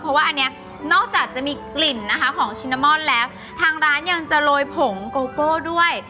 เพราะว่าอันนี้นอกจากจะมีกลิ่นนะคะของชินามอนแล้วทางร้านยังจะโรยผงโกโก้ด้วย